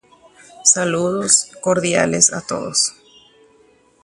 Maitei horyvéva maymávape.